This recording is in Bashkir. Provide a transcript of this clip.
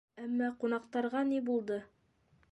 Әммә ҡунаҡтарға ни булды?